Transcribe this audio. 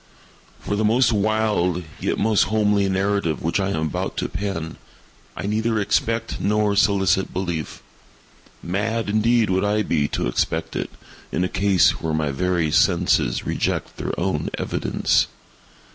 For the most wild, yet most homely narrative which I am about to pen, I neither expect nor solicit belief. Mad indeed would I be to expect it, in a case where my very senses reject their own evidence.